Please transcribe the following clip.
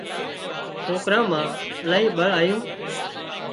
سوڪران مان الاهي ٻۯ آيون